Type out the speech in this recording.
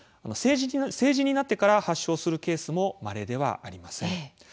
成人になってから発症するケースもまれではありません。